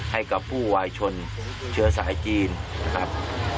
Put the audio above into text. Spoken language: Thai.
ให้กับผู้วายชนเชื้อสายจีนนะครับ